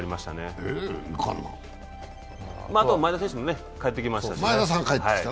あとは前田選手も帰ってきましたしね。